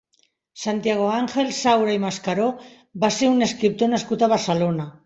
Santiago Àngel Saura i Mascaró va ser un escriptor nascut a Barcelona.